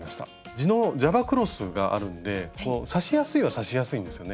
地のジャバクロスがあるんで刺しやすいは刺しやすいんですよね。